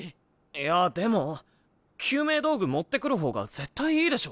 いやでも救命道具持ってくる方が絶対いいでしょ。